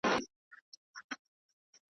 د الله د کور زمری دی، زور دي دی پکښی پیدا کړي .